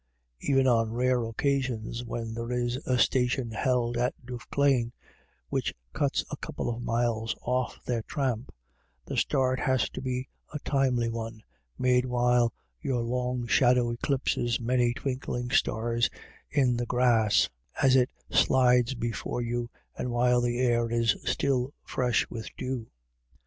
Even on rare occasions when there is a station held at Duffclane, which cuts a couple of miles off their tramp, the start has to be a timely one, made while your long shadow eclipses many twinkling stars in the grass as it slides before you, and while the air is still fresh with dew.